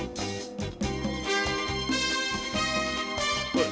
おい。